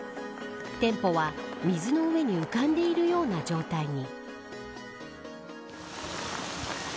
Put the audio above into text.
店舗は、水の上に浮かんでいるような状態に。